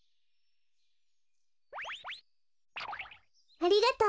ありがとう。